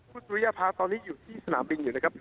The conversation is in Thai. คุณสุริยภาตอนนี้อยู่ที่สนามบินอยู่นะครับ